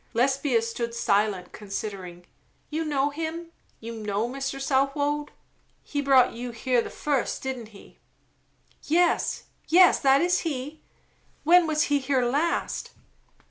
Lesbia stood silent, considering. "You know him? You know Mr. Southwode?" "He brought you here the fust, didn't he?" "Yes. Yes, that is he. When was he here last?"